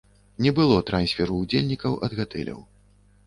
Не было трансферу ўдзельнікаў ад гатэляў.